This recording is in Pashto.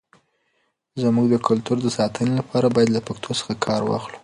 زموږ د کلتور د ساتنې لپاره، باید له پښتو څخه کار واخلو.